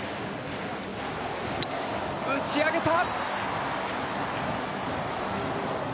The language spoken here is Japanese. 打ち上げた！